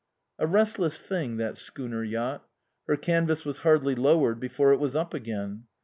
A restless thing that schooner yacht ; her canvas was hardly lowered before it was up again.